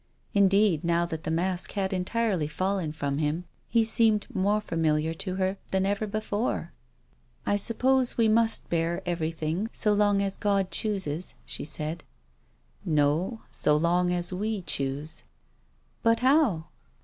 Indeed, now that the mask had entirely fallen from him, he seemed more familiar to her than ever before. " I suppose we must bear everything so long as God chooses," she said. " No, so long as we choose." "But how?"